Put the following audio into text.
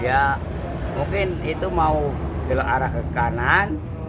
ya mungkin itu mau arah ke kanan